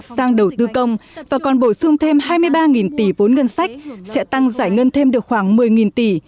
sang đầu tư công và còn bổ sung thêm hai mươi ba tỷ vốn ngân sách sẽ tăng giải ngân thêm được khoảng một mươi tỷ